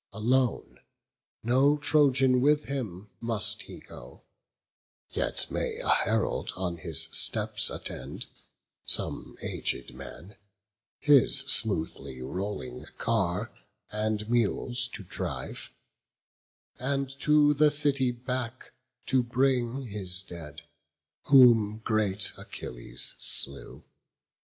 Alone, no Trojan with him, must he go; Yet may a herald on his steps attend, Some aged man, his smoothly rolling car And mules to drive; and to the city back To bring his dead, whom great Achilles slew.